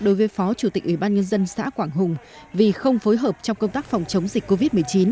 đối với phó chủ tịch ủy ban nhân dân xã quảng hùng vì không phối hợp trong công tác phòng chống dịch covid một mươi chín